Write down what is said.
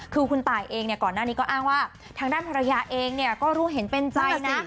คือคุณตายเองก่อนหน้านี้ก็อ้างว่าทางด้านภรรยาเองก็รู้เห็นเป็นใจนะ